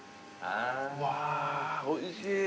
うわおいしい。